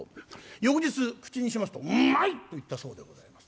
翌日口にしますと「うまい！」と言ったそうでございます。